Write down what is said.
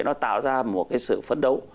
như vậy nó tạo ra một cái sự phấn đấu